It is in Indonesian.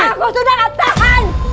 aku sudah tak tahan